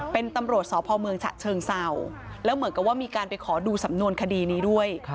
เป็นตำรวจสพเมืองฉะเชิงเศร้าแล้วเหมือนกับว่ามีการไปขอดูสำนวนคดีนี้ด้วย